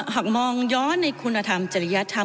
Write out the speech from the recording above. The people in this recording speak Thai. หากมองย้อนในคุณธรรมจริยธรรม